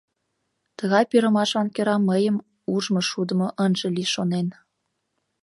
Тыгай пӱрымашлан кӧра мыйым ужмышудымо ынже лий, шонен.